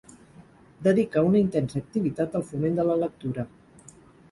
Dedica una intensa activitat al foment de la lectura.